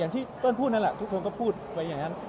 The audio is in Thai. ที่เปิ้ลพูดนั่นแหละทุกคนก็พูดไว้อย่างนั้น